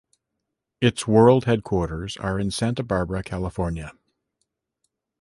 Its world headquarters are in Santa Barbara, California.